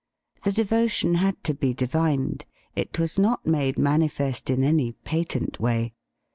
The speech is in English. The devotion had to be divined. It was not made manifest in any patent way.